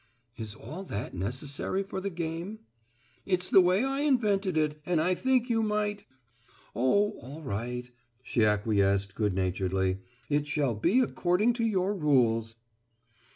"Is all that necessary for the game?" "It's the way I invented it and I think you might " "Oh, all right," she acquiesced, good naturedly. "It shall be according to your rules."